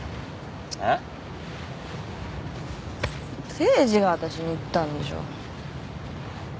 誠治がわたしに言ったんでしょ。